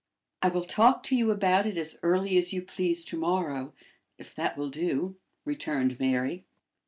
"I will talk to you about it as early as you please to morrow, if that will do," returned Mary.